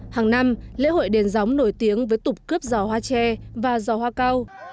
hàng năm lễ hội đền gióng nổi tiếng với tục cướp giò hoa tre và giò hoa cao